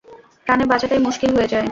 প্রাণে বাঁচাটাই মুশকিল হয়ে যায়!